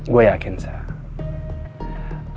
gue yakin sah